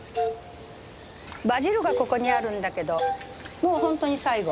バジルがここにあるんだけどもう本当に最後。